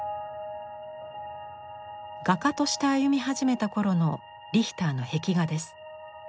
画家として歩み始めたころのリヒターの壁画です。